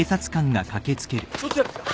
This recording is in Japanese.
どちらですか？